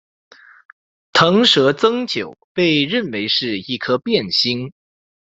螣蛇增九被认为是一颗变星。